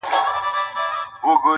غلطۍ کي مي د خپل حسن بازار مات کړی دی~